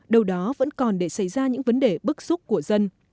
đâu đó vẫn còn để xảy ra những vấn đề bức xúc của dân